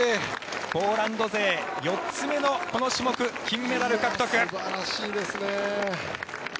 ポーランド勢４つ目のこの種目の金メダル獲得！